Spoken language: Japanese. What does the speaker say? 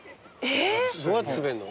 どうやって滑んの？